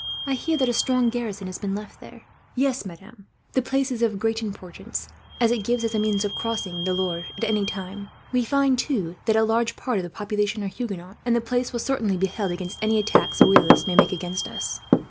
I hear that a strong garrison has been left there." "Yes, madam. The place is of great importance, as it gives us a means of crossing the Loire at any time. We find, too, that a large part of the population are Huguenot; and the place will certainly be held against any attack the Royalists may make against us."